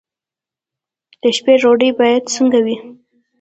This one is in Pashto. د شپې ډوډۍ باید څنګه وي؟